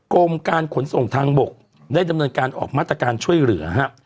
กรมการขนส่งทางบกได้ดำเนินการออกมาตรการช่วยเหลือ